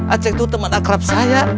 aceh itu teman akrab saya